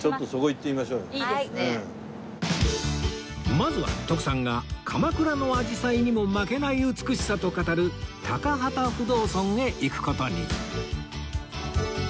まずは徳さんが鎌倉の紫陽花にも負けない美しさと語る高幡不動尊へ行く事に